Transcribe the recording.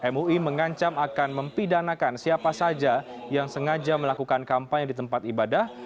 mui mengancam akan mempidanakan siapa saja yang sengaja melakukan kampanye di tempat ibadah